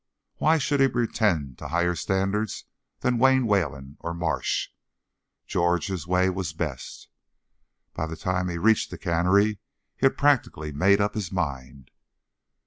Why should he pretend to higher standards than Wayne Wayland or Marsh? George's way was best. By the time he had reached the cannery, he had practically made up his mind.